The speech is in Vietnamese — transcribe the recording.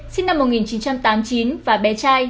sinh năm một nghìn chín trăm tám mươi chín và bé trai